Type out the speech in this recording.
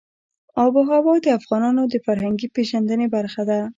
آب وهوا د افغانانو د فرهنګي پیژندنې برخه ده.